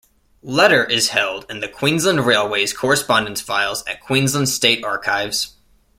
Letter is held in the Queensland Railways correspondence files at Queensland State Archives.